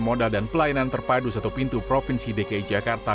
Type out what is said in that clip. modal dan pelayanan terpadu satu pintu provinsi dki jakarta